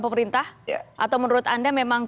pemerintah atau menurut anda memang